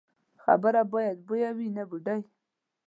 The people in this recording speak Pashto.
خبره باید بویه وي، نه بوډۍ.